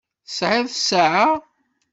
Tesɛiḍ ssaɛa.